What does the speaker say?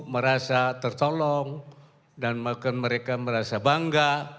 merasa tertolong dan bahkan mereka merasa bangga